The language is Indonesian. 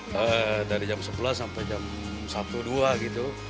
jadi kita bisa makan dari jam sebelas sampai jam satu dua gitu